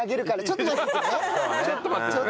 ちょっと待っててね。